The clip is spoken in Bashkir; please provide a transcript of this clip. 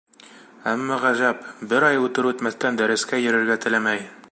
Әммә, ғәжәп, бер ай үтер-үтмәҫтән дәрескә йөрөргә теләмәй.